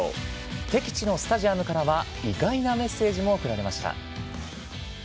敵地のスタジアムからは意外なメッセージも送られました。